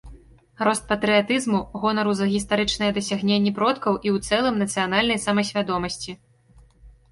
Рост патрыятызму, гонару за гістарычныя дасягненні продкаў і ў цэлым нацыянальнай самасвядомасці.